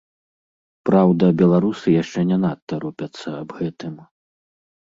Праўда, беларусы яшчэ не надта рупяцца аб гэтым.